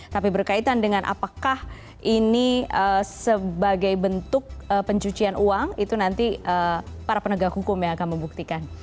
tapi berkaitan dengan apakah ini sebagai bentuk pencucian uang itu nanti para penegak hukum yang akan membuktikan